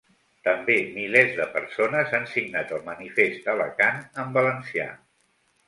També milers de persones han signat el manifest Alacant en valencià.